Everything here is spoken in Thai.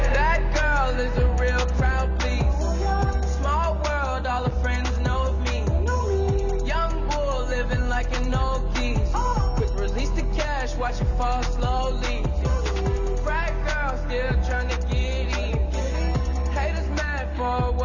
ดีทุกอย่างนะครับ